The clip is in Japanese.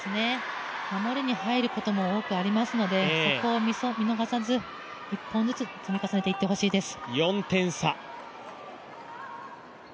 守りに入ることも多くありますので、そこを見逃さず１本ずつ積み重ねていってほしいです。